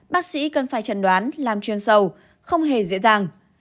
bác sĩ cần phải chẩn đoán làm chuyên sâu không hề dễ dàng